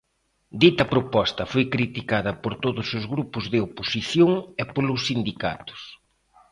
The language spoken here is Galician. Dita proposta foi criticada por todos os grupos de oposición e polos sindicatos.